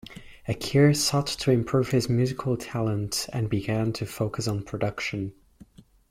Akir sought to improve his musical talent and began to focus on production.